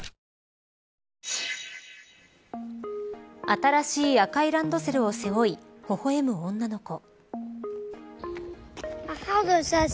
新しい赤いランドセルを背負いほほ笑む女の子。